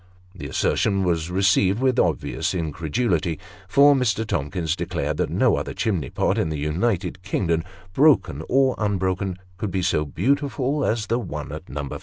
The assertion was received with obvious incredulity, for Mr. Tom kins declared that no other chimney pot in the United Kingdom, broken or unbroken, could be so beautiful as the one at No.